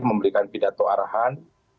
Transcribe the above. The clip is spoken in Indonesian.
memberikan pidato arahan